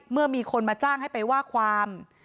เมื่อมีคนมาจ้างให้ไปว่าความ